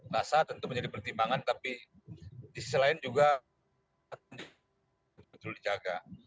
rasa tentu menjadi pertimbangan tapi di sisi lain juga betul dijaga